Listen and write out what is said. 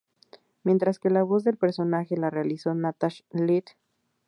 Mientras que la voz del personaje la realizó Natasha Little.